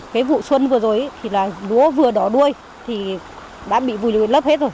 cái vụ xuân vừa rồi thì là lúa vừa đỏ đuôi thì đã bị vùi lấp hết rồi